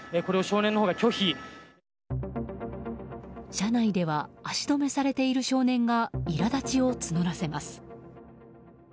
車内では足止めされている少年が苛立ちを募らせます。